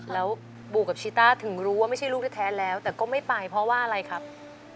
แล้วบูกับชีต้าถึงรู้ว่าไม่ใช่ลูกแท้แล้วแต่ก็ไม่ไปเพราะว่าอะไรครับ